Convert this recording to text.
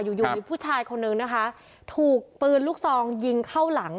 อยู่อยู่มีผู้ชายคนนึงนะคะถูกปืนลูกซองยิงเข้าหลัง